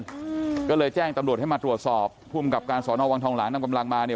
อืมก็เลยแจ้งตำรวจให้มาตรวจสอบภูมิกับการสอนอวังทองหลางนำกำลังมาเนี่ย